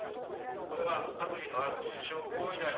これは悪意のある中傷行為だよ」。